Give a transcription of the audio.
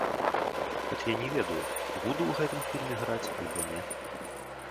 Хоць я не ведаю, буду ў гэтым фільме граць альбо не.